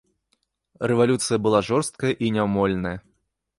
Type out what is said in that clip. Рэвалюцыя была жорсткая і няўмольная.